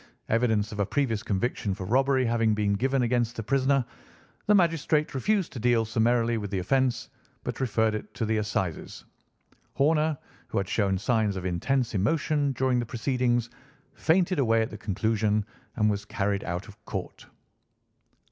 Evidence of a previous conviction for robbery having been given against the prisoner, the magistrate refused to deal summarily with the offence, but referred it to the Assizes. Horner, who had shown signs of intense emotion during the proceedings, fainted away at the conclusion and was carried out of court."